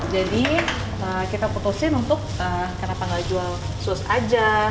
jadi kita putusin untuk kenapa nggak jual sus aja